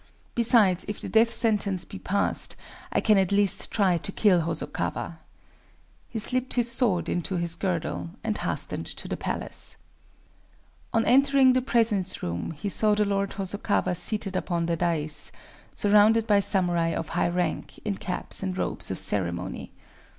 Besides, if the death sentence be passed, I can at least try to kill Hosokawa." He slipped his swords into his girdle, and hastened to the palace. On entering the presence room he saw the Lord Hosokawa seated upon the dais, surrounded by samurai of high rank, in caps and robes of ceremony.